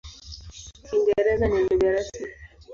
Kiingereza ni lugha rasmi.